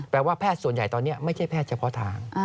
แปลว่าแพทย์ส่วนใหญ่ตอนนี้ไม่ใช่แพทย์เฉพาะทาง